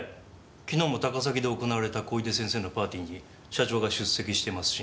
昨日も高崎で行われた小出先生のパーティーに社長が出席していますし。